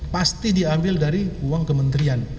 pasti diambil dari uang kementerian